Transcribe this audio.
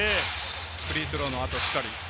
フリースローの後、しっかり。